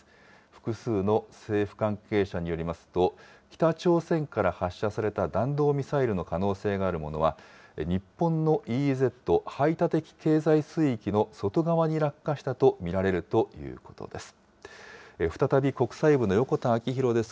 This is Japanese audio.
複数の政府関係者によりますと、北朝鮮から発射された弾道ミサイルの可能性のあるものは、日本のＥＥＺ・排他的経済水域の外側に落下したと見られるということです。